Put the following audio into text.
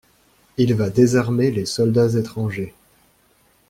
Il va désarmer les soldats étrangers.